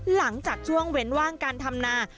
หลังจากช่วงเว้นว่างการทำนา